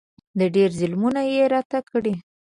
ډېر ظلمونه یې راته کړي.